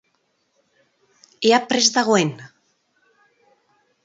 Ea prest dagoen!